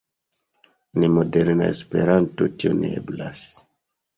En moderna Esperanto tio ne eblas.